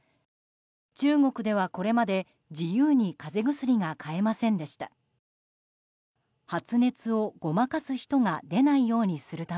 中国ではこれまで自由に風邪薬が買えませんでした。